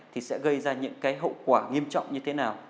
thì sẽ gây ra những cái hậu quả nghiêm trọng như thế nào